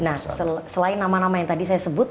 nah selain nama nama yang tadi saya sebut